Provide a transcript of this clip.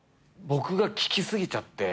僕が聞きすぎちゃって。